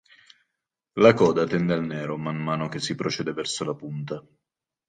La coda tende al nero man mano che si procede verso la punta.